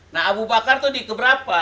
nah abu bakar itu dikeberapa